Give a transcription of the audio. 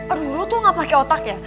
aduh lo tuh gak pake otak ya